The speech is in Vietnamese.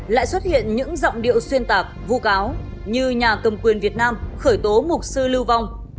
lại xuất hiện những giọng điệu xuyên tạc vu cáo như nhà cầm quyền việt nam khởi tố mục sư lưu vong